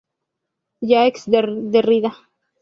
Jacques Derrida.